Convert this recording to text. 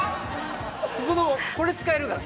ここのこれ使えるから。